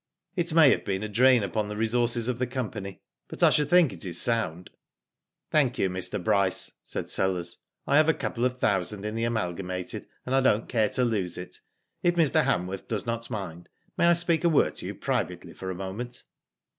It may have been a drain upon the resources of the company, but I should think it is sound." Thank you, Mr. Bryce," said Sellers. I have a couple of thousand in the Amalgamated, and I don't care to lose it. If Mr. Hanworth does not mind, may I speak a word to you privately for a poment